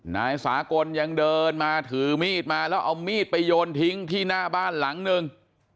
นายสากลยังเดินมาถือมีดมาแล้วเอามีดไปโยนทิ้งที่หน้าบ้านหลังนึง